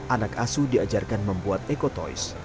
anak asuh diajarkan membuat eko toys